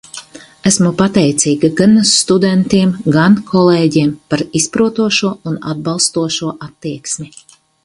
Esmu pateicīga gan studentiem, gan kolēģiem par izprotošo un atbalstošo attieksmi.